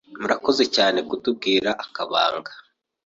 Murakoze Cyane Kutwibira Akabanga